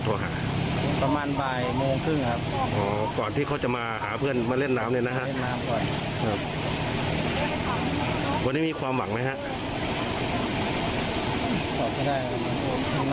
พอพ่อได้แล้วมีความหวังมันน่าจะหมดหวังแล้ว